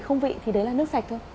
không vị thì đấy là nước sạch thôi